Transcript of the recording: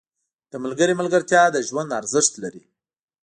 • د ملګري ملګرتیا د ژوند ارزښت لري.